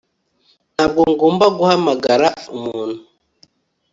Ntabwo ngomba guhamagara umuntu